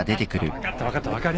分かった分かった分かった。